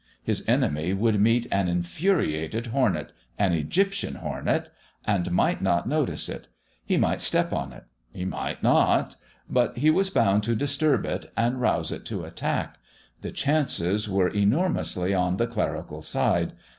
His enemy would meet an infuriated hornet an Egyptian hornet! and might not notice it. He might step on it. He might not. But he was bound to disturb it, and rouse it to attack. The chances were enormously on the clerical side.